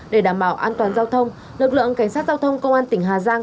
để đảm bảo an toàn giao thông lực lượng cảnh sát giao thông công an tỉnh hà giang